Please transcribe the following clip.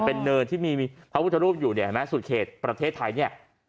เป็นเนินที่มีพระพุทธรูปอยู่ในสุดเขตประเทศไทย